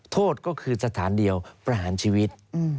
โทษก็คือสถานเดียวประหารชีวิต